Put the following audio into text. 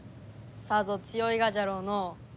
さぞ強いがじゃろうのう？